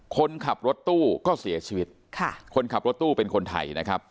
คนขับรถตู้ก็เสียชีวิตค่ะคนขับรถตู้เป็นคนไทยนะครับ